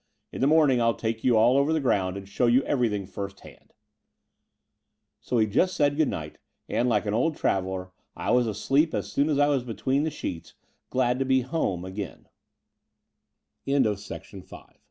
In the morning I'll take you all over the ground and show you everything first hand." So we just said good night, and, like an old traveller, I was asleep as soon as I was between the sheets, glad to be home